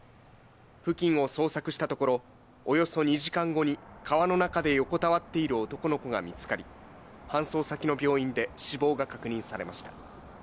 付近を捜索したところ、およそ２時間後に川の中で横たわっている男の子が見つかり、搬送先の病院で死亡が確認されました。